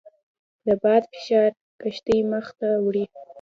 د باد فشار کښتۍ مخ ته وړي.